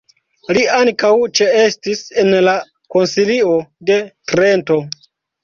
Li ankaŭ ĉeestis en la Konsilio de Trento.